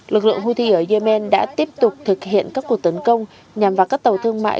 lực lượng houthi ở yemen đã tiếp tục thực hiện các cuộc tấn công nhằm vào các tàu thương mại